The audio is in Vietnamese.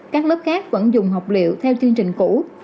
các lớp khác vẫn dùng học liệu theo chương trình cũ